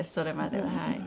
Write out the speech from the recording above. はい。